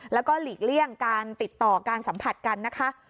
แล้วก็หลีกเลี่ยงการติดต่อการสัมผัสกันนะคะ